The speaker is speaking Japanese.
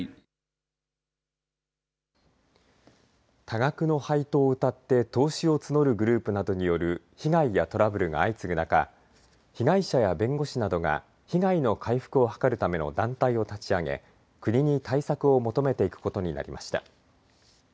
多額の配当をうたって投資を募るグループなどによる被害やトラブルが相次ぐ中被害者や弁護士などが被害の回復を図るための団体を立ち上げ国に対策を求めていくことになりました。